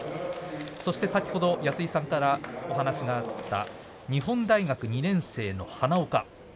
そして先ほど安井さんからお話があった日本大学２年生の花岡。